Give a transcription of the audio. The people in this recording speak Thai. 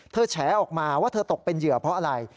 แฉออกมาว่าเธอตกเป็นเหยื่อเพราะอะไร